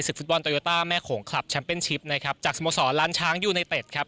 ฟุตบอลโตโยต้าแม่โขงคลับแชมเป็นชิปนะครับจากสโมสรล้านช้างยูไนเต็ดครับ